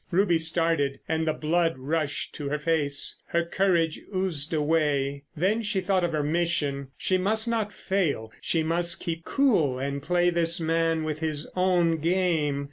Ruby started, and the blood rushed to her face. Her courage oozed away. Then she thought of her mission—she must not fail. She must keep cool and play this man with his own game.